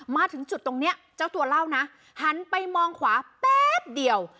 มาถึงจุดตรงนี้เจ้าตัวเล่านะหันไปมองขวาแป๊บเดียว